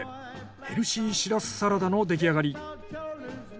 ヘルシーシラスサラダの出来上がり。